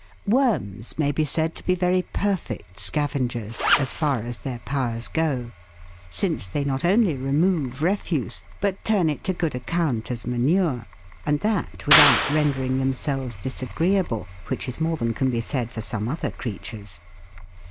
Worms may be said to be very perfect scavengers as far as their powers go, since they not only remove refuse, but turn it to good account as manure, and that without rendering themselves disagreeable, which is more than can be said for some other creatures.